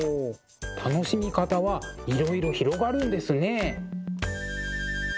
楽しみ方はいろいろ広がるんですね。